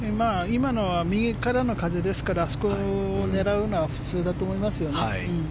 今のは右からの風ですからあそこを狙うのは普通だと思いますよ。